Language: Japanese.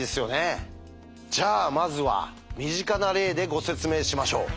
じゃあまずは身近な例でご説明しましょう。